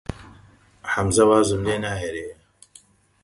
ئەو کارامەیە.